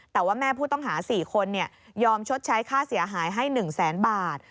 แต่ว่าแม่ผู้ต้องหา๔คนยอมชดใช้ค่าเสียหายให้๑แสนบาท